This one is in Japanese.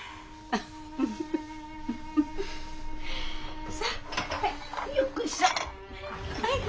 あっ。